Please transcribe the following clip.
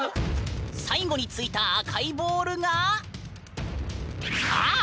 最後に突いた赤いボールがあっ！